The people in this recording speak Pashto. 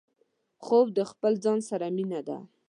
خوب د خپل ځان سره مينه ده